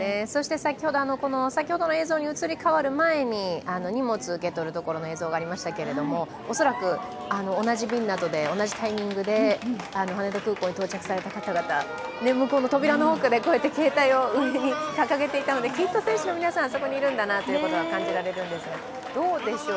先ほどの映像に移り変わる前に荷物を受け取るところの映像がありましたけれども、恐らく、同じ便などで同じタイミングで羽田空港に到着された方々向こうの扉の奥で携帯を上に掲げていたので、きっと選手の皆さんあそこにいるんだなと感じられるんですけれども、どうでしょう？